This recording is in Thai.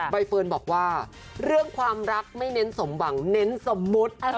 ใบเฟิร์นบอกว่าเรื่องความรักไม่เน้นสมหวังเน้นสมมุติ